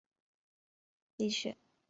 立雪郡东兴郡